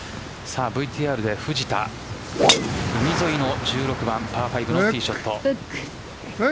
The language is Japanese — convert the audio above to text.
ＶＴＲで藤田海沿いの１６番パー５のティーショット。